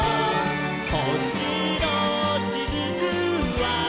「ほしのしずくは」